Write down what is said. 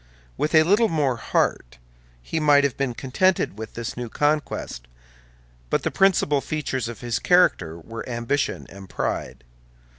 With a little more heart, he might have been contented with this new conquest; but the principal features of his character were ambition and pride.